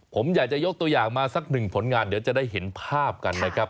ผมอยากจะยกตัวอย่างมาสักหนึ่งผลงานเดี๋ยวจะได้เห็นภาพกันนะครับ